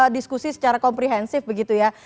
diskusi secara komprehensif begitu ya